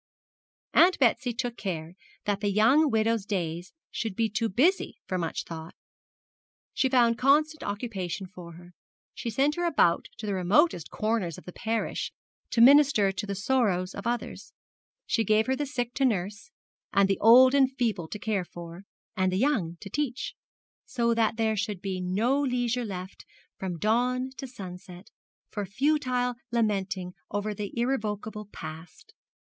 Aunt Betsy took care that the young widow's days should be too busy for much thought. She found constant occupation for her. She sent her about to the remotest corners of the parish to minister to the sorrows of others; she gave her the sick to nurse, and the old and feeble to care for, and the young to teach; so that there should be no leisure left from dawn to sunset for futile lamenting over the irrevocable past.